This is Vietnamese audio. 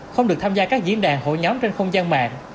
không được tham gia các diễn đàn hội nhóm trên không gian mạng